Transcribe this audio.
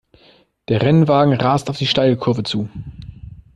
Der Rennwagen rast auf die Steilkurve zu.